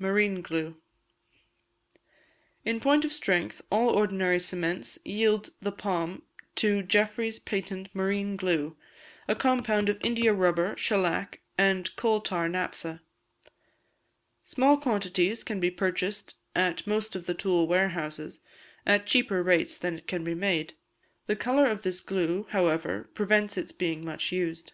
Marine Glue. In point of strength, all ordinary cements yield the palm to Jeffery's Patent Marine Glue, a compound of India rubber, shellac, and coal tar naphtha. Small quantities can be purchased at most of the tool warehouses, at cheaper rates than it can be made. The colour of this glue, however, prevents its being much used.